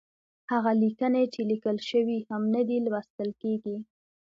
هغه ليکنې چې ليکل شوې هم نه دي، لوستل کېږي.